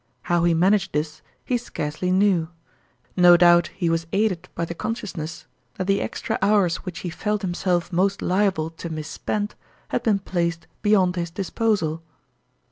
Plow he managed this, he scarcely knew ; no doubt he was aided by the consciousness that the extra hours which he felt himself most liable to mis spend had been placed beyond his disposal.